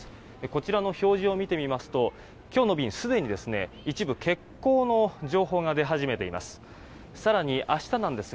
こちらの表示を見てみますと今日の便、すでに一部欠航の情報が出始めています。